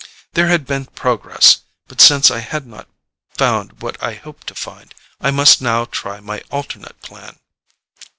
There had been progress, but since I had not found what I hoped to find, I must now try my alternate plan.